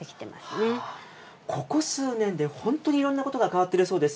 ここ数年で本当にいろんなことが変わってるそうです。